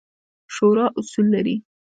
شورا اصول لري